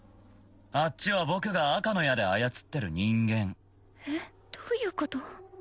あっちは僕が赤の矢で操ってる人間えっどういうこと？